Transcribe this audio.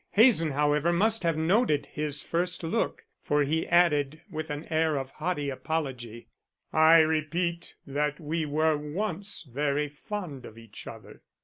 Hazen, however, must have noted his first look, for he added with an air of haughty apology: "I repeat that we were once very fond of each other."